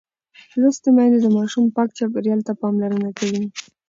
لوستې میندې د ماشوم پاک چاپېریال ته پاملرنه کوي.